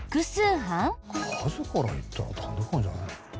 数から言ったら単独犯じゃないの？